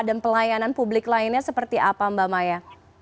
dan pelayanan publik lainnya seperti apa mbak maya